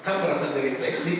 kan merasa ngeri flash disk